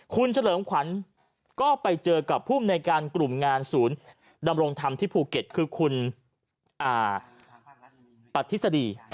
คุณเฉลิมขวัญก็ไปเจอกับภูมิในการกลุ่มงานศูนย์ดำรงธรรมที่ภูเก็ตคือคุณปัทธิดี